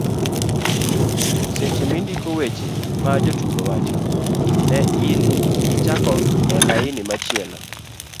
seche mindiko weche ma jotugo wacho, ne ni ichako e lain machielo